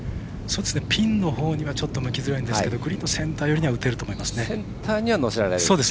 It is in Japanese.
ピンのほうには向きづらいんですがグリーンのセンター寄りには打てると思います。